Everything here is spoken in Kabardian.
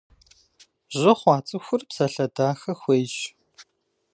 Жьы хъуа цӏыхур псалъэ дахэ хуейщ.